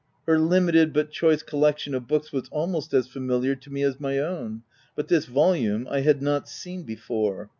Her limited but choice collection of books was almost as familiar to me as my own ; but this volume I had not seen before.